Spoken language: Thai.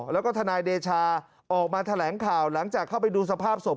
แล้วก็ทนายเดชาออกมาแถลงข่าวหลังจากเข้าไปดูสภาพศพ